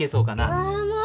あもう！